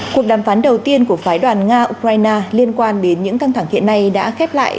cuộc đàm phán đầu tiên của phái đoàn nga ukraine liên quan đến những căng thẳng hiện nay đã khép lại